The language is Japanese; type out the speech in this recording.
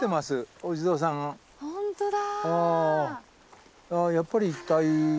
本当だ。